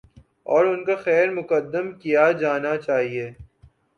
اور ان کا خیر مقدم کیا جانا چاہیے۔